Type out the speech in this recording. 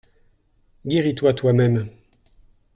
Guéris-toi toi-même.